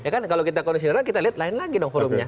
kalau kita kondisi internal kita lihat lain lagi dong forumnya